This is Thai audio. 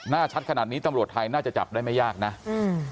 ชัดขนาดนี้ตำรวจไทยน่าจะจับได้ไม่ยากนะอืม